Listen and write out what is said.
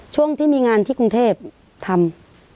ช่วงที่มีงานที่กรุงเทพทำ